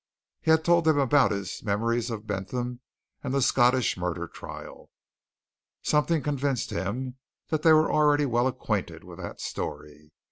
He had told them about his memories of Bentham and the Scottish murder trial something convinced him that they were already well acquainted with that story.